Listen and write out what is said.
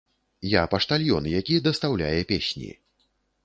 Я паштальён, які дастаўляе песні.